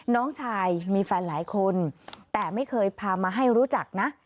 น้องชายมีแฟนหลายคนแต่ไม่เคยพามาให้รู้จักนะ